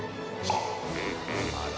あら。